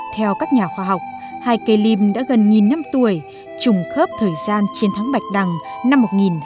theo các nhà khoa học hai cây lim đã gần nghìn năm tuổi trùng khớp thời gian chiến thắng bạch đằng năm một nghìn hai trăm tám mươi tám